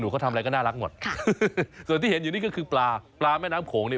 เขาทำอะไรก็น่ารักหมดค่ะส่วนที่เห็นอยู่นี่ก็คือปลาปลาแม่น้ำโขงนี่